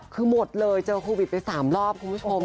คือหมดเลยเจอโควิดไป๓รอบคุณผู้ชม